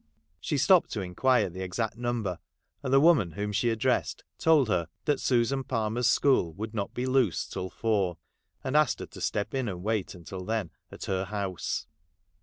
She stopped to inquire the exact number, and the woman whom she addressed told her that Susan Palmer's school would not be loosed till four, and asked her to step in and wait until then at her house.